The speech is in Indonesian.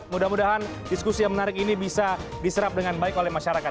mudah mudahan diskusi yang menarik ini bisa diserap dengan baik oleh masyarakat